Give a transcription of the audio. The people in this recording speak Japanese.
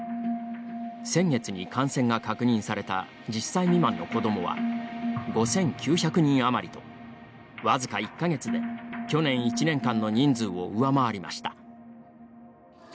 先月に感染が確認された１０歳未満の子どもは５９００人余りと僅か１か月で去年１年間の人数を上回りました。